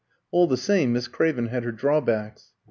All the same, Miss Craven had her drawbacks.